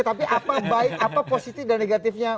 tapi apa positif dan negatifnya